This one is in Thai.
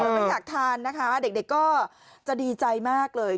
ไม่อยากทานนะคะเด็กก็จะดีใจมากเลย